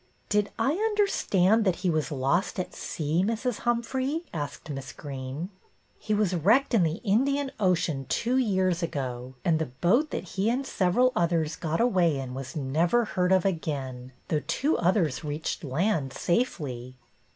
" Did I understand that he was lost at sea, Mrs. Humphrey?" asked Miss Greene. " He was wrecked in the Indian Ocean two years ago, and the boat that he and several others got away in was never heard of again, though two others reached land safely."